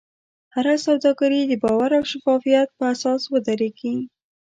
هره سوداګري د باور او شفافیت په اساس ودریږي.